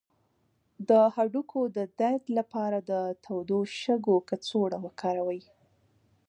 د هډوکو د درد لپاره د تودو شګو کڅوړه وکاروئ